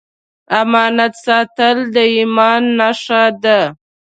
امانت ساتل د ایمان نښه ده